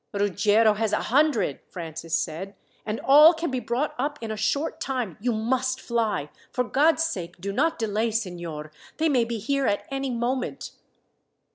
"Ruggiero has a hundred," Francis said, "and all can be brought up in a short time you must fly. For God's sake, do not delay, signor. They may be here at any moment."